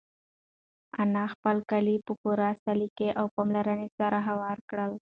انا خپل کالي په پوره سلیقې او پاملرنې سره هوار کړل.